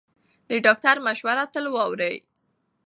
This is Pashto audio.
د ډاکټر مشوره تل واورئ.